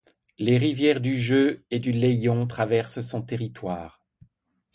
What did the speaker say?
Les rivières du Jeu et du Layon traversent son territoire.